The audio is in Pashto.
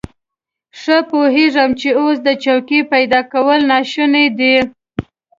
ښه پوهېدم چې اوس د څوکۍ پيدا کول ناشوني دي.